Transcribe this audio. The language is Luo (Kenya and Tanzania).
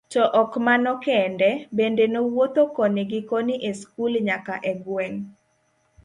To ok mano kende, bende nowuotho koni gi koni e skul nyaka e gweng'.